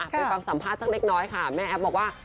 ไปฟังสัมภาษณ์สักเล็กน้อยค่ะแม่แอฟบอกว่า